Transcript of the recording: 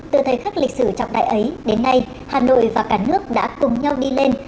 từ thời khắc lịch sử trọng đại ấy đến nay hà nội và cả nước đã cùng nhau đi lên